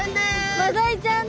マダイちゃんだ！